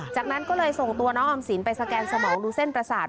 จากนั้นก็เลยส่งตัวน้องออมสินไปสแกนสมองดูเส้นประสาท